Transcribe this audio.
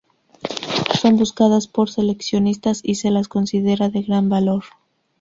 Son buscadas por coleccionistas y se las considera de gran valor.